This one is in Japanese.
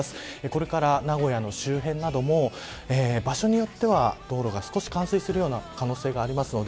これから名古屋の周辺なども場所によっては道路が少し冠水しているような可能性があります。